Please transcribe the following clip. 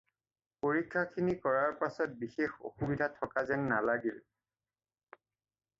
পৰীক্ষাখিনি কৰাৰ পিছত বিশেষ অসুবিধা থকা যেন নালাগিল।